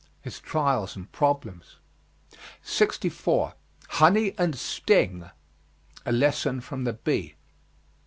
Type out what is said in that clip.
His trials and problems. 64. HONEY AND STING. A lesson from the bee.